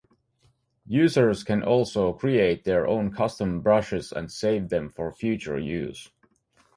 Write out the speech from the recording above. Users can also create their own custom brushes and save them for future use.